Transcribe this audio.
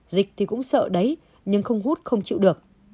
dịch thì cũng sợ đấy nhưng không hút không chịu được